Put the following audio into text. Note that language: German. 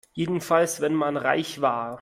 Jedenfalls wenn man reich war.